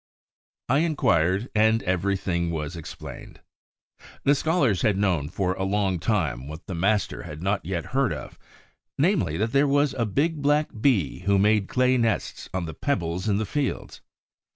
I inquired; and everything was explained. The scholars had known for a long time what the master had not yet heard of, namely, that there was a big black Bee who made clay nests on the pebbles in the fields.